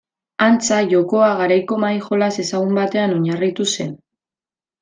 Antza, jokoa garaiko mahai-jolas ezagun batean oinarritu zen.